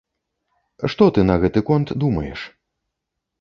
Што ты на гэты конт думаеш?